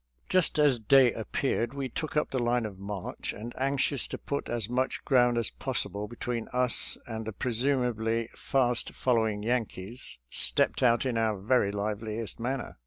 Just as day appeared we took up the line of march, and anxious to put as much ground as possible between us and the presumably fast following Yankees, stepped out in our very liveliest manner.